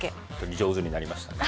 上手になりましたね。